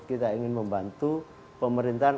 kita ingin membantu pemerintahan